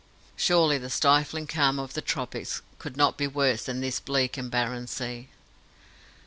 Surely the stifling calm of the tropics could not be worse than this bleak and barren sea.